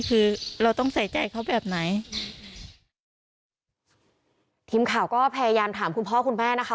คือเราต้องใส่ใจเขาแบบไหนทีมข่าวก็พยายามถามคุณพ่อคุณแม่นะคะ